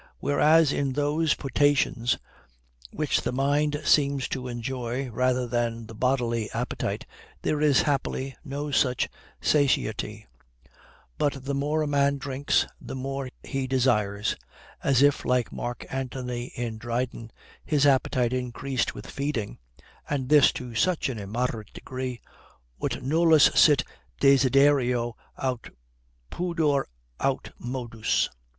Whereas in those potations which the mind seems to enjoy, rather than the bodily appetite, there is happily no such satiety; but the more a man drinks, the more he desires; as if, like Mark Anthony in Dryden, his appetite increased with feeding, and this to such an immoderate degree, ut nullus sit desiderio aut pudor aut modus.